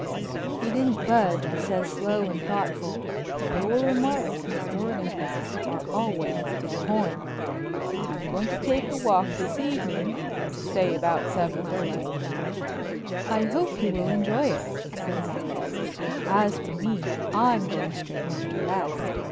He didn't budge, but says slow and thoughtful: "Your remarks, Miss Morganthau, are always to the point. I'm going to take a walk this evening—say about seven thirty." "I hope you'll enjoy it," says I. "As for me, I'm going straight home to rest.